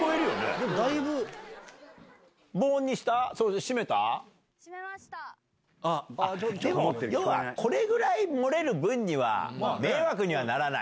でも、要はこれぐらい漏れる分には、迷惑にはならない。